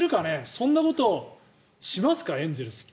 そんなことをしますかエンゼルスって。